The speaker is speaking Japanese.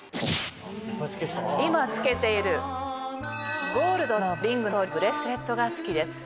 今着けているゴールドのリングとブレスレットが好きです。